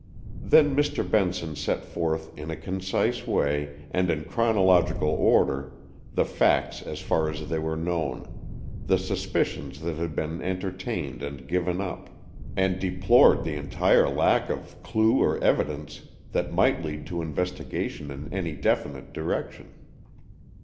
Then Mr. Benson set forth in a concise way and in chronological order the facts as far as they were known, the suspicions that had been entertained and given up; and deplored the entire lack of clue or evidence that might lead to investigation in any definite direction.